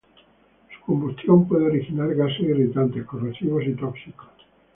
Su combustión puede originar gases irritantes, corrosivos y tóxicos.